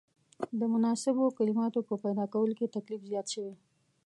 د مناسبو کلماتو په پیدا کولو کې تکلیف زیات شوی.